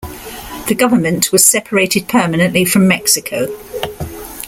The government was separated permanently from Mexico.